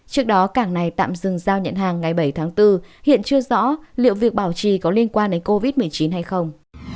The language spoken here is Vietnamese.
trước đó cảng này tạm dừng giao nhận hàng ngày bảy tháng bốn hiện chưa rõ liệu việc bảo trì có liên quan đến covid một mươi chín hay không